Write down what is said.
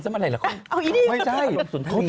ใช่อะไรโอลินกัน